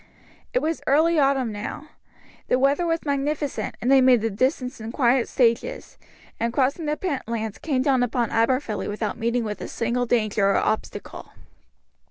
It was early autumn now; the weather was magnificent, and they made the distance in quiet stages, and crossing the Pentlands came down upon Aberfilly without meeting with a single danger or obstacle.